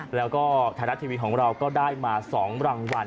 แล้วก็ไทยรัฐทีวีของเราก็ได้มา๒รางวัล